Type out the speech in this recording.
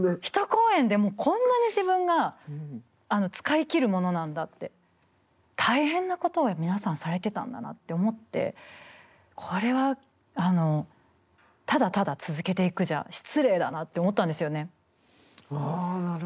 一公演でこんなに自分が使い切るものなんだって．大変なことを皆さんされてたんだなって思ってこれはただただ続けていくじゃ失礼だなって思ったんですよね。